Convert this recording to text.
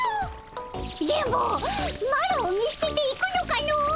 電ボマロを見捨てて行くのかの！